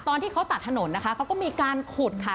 ตอนที่เขาตัดถนนนะคะเขาก็มีการขุดค่ะ